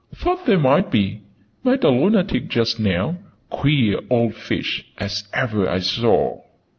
"Thought there might be. Met a lunatic just now. Queer old fish as ever I saw!"